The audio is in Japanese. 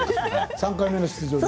３回目の出場で。